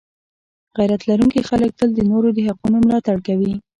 غیرت لرونکي خلک تل د نورو د حقونو ملاتړ کوي.